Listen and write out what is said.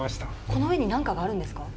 この上に何かがあるんですか？